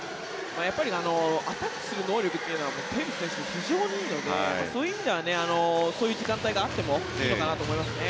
アタックする能力というのはテーブス選手、非常にいいのでそういう意味ではそういう時間帯があってもいいのかなと思いますね。